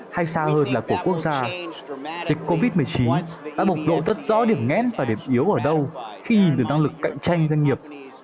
hay xa hơn là của quốc gia dịch covid một mươi chín đã bộc lộ rất rõ điểm ngén và điểm yếu ở đâu khi nhìn từ năng lực cạnh tranh doanh nghiệp